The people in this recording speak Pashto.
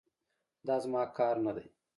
دا زما کار نه دی.